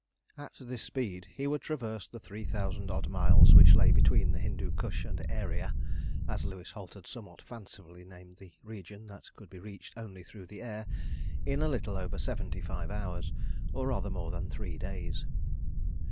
At this speed he would traverse the three thousand odd miles which lay between the Hindu Kush and "Aeria" as Louis Holt had somewhat fancifully named the region that could be reached only through the air in a little over seventy five hours, or rather more than three days.